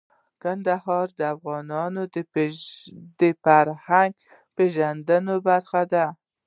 کندهار د افغانانو د فرهنګي پیژندنې برخه ده.